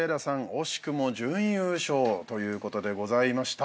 惜しくも準優勝ということでございました。